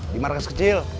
di markas kecil